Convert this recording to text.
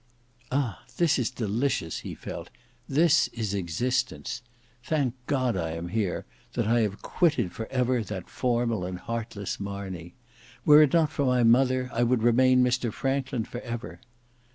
"Ah! this is delicious!" he felt. "This is existence! Thank God I am here; that I have quitted for ever that formal and heartless Marney. Were it not for my mother, I would remain Mr Franklin for ever.